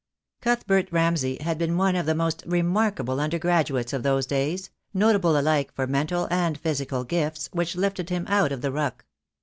Cuthbert Ramsay had been one of the most remark able undergraduates of those days, notable alike for mental and physical gifts which lifted him out of the ruck.